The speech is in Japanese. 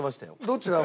どっちだ？